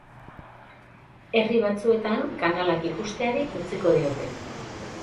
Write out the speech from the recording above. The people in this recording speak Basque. Herri batzuetan kanalak ikusteari utziko diote.